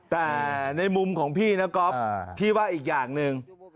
แต่ในมุมของพี่นะก๊อฟพี่ว่าอีกอย่างหนึ่ง